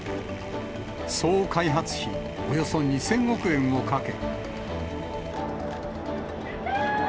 総開発費およそ２０００億円をかけ。